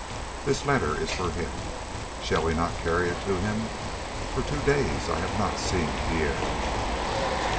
"This letter is for him. Shall we not carry it to him? For two days I have not seen Pierre."